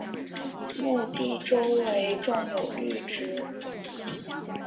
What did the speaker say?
墓地周围种有绿植。